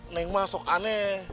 neng masuk aneh